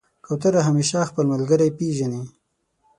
کوتره همیشه خپل ملګری پېژني.